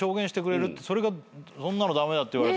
それがそんなの駄目だって言われたらね。